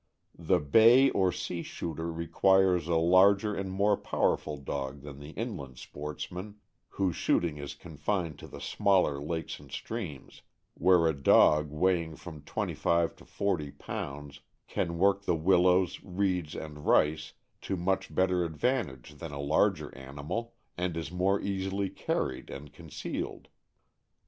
The bay or sea shooter requires a larger and more powerful dog than the inland sportsman, whose shooting is confined to the smaller lakes and streams, where a dog weighing from twenty five to forty pounds can work the willows, reeds, and rice to much better advantage than a larger animal, and is more easily carried and concealed.